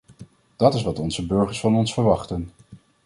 Dat is wat onze burgers van ons verwachten.